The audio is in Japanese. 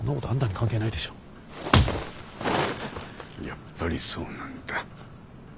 やっぱりそうなんだ。